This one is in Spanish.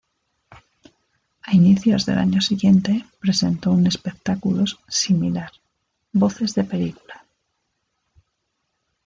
A inicios del año siguiente presentó un espectáculos similar, "Voces de Película".